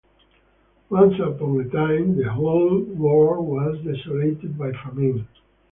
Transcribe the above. Once upon a time, the whole world was desolated by famine.